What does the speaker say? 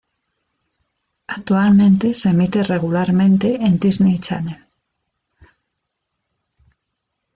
Actualmente se emite regularmente en Disney Channel.